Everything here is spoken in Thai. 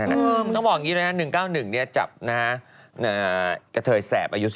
มันต้องบอกอย่างนี้เลยนะ๑๙๑จับกะเทยแสบอายุ